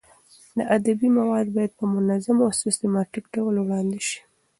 ادبي مواد باید په منظم او سیستماتیک ډول وړاندې شي.